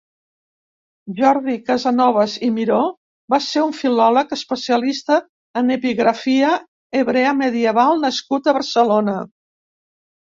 Jordi Casanovas i Miró va ser un filòleg, especialista en epigrafia hebrea medieval nascut a Barcelona.